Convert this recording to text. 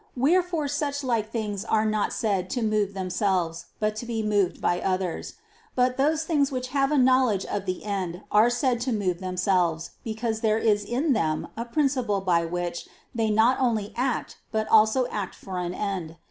Wherefore such like things are not said to move themselves, but to be moved by others. But those things which have a knowledge of the end are said to move themselves because there is in them a principle by which they not only act but also act for an end.